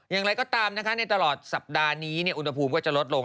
อย่างไรก็ตามนะคะในตลอดสัปดาห์นี้อุณหภูมิก็จะลดลง